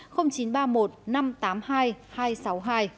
kính chào quý vị khán giả